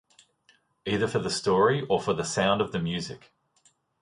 Either for the story or for the sound of the music.